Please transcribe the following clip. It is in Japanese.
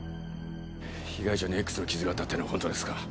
被害者にＸの傷があったっていうのは本当ですか？